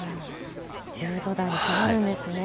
１０度台に下がるんですね。